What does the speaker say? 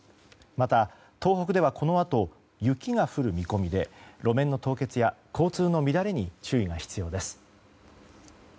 また、東北ではこのあと雪が降る見込みで路面の凍結や交通の乱れに注意が必要です。